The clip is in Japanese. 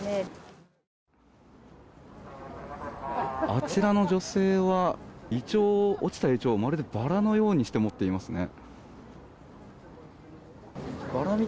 あちらの女性は落ちたイチョウをまるでバラのようにして持っていますね。